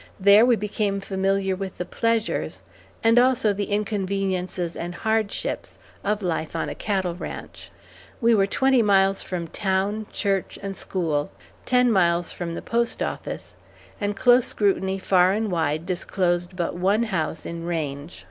There we became familiar with the pleasures, and also the inconveniences and hardships of life on a cattle ranch. We were twenty miles from town, church, and school; ten miles from the post office; and close scrutiny far and wide disclosed but one house in range.